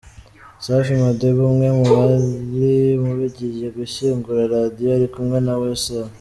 Safi Madiba umwe mu bari bagiye gushyingura Radio ari kumwe na Weasel.